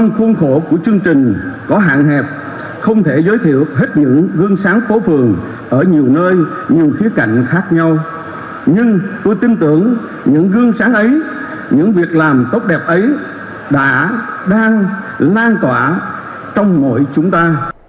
nhưng tôi tin tưởng những gương sáng ấy những việc làm tốt đẹp ấy đã đang lan tỏa trong mọi chúng ta